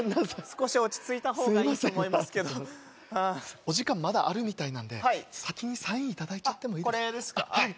少し落ち着いた方がいいと思うお時間まだあるみたいなんで先にサインいただいちゃってもいいですかあっ